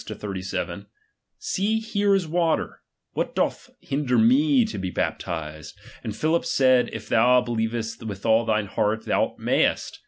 36 37 : See, here is water ; what doth hinder vie to be bapti&edf And Philip said. If' thou be Uevest with all thine heart, thou mayest.